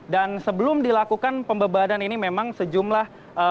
dan sebelum dilakukan pembebanan ini memang sejumlah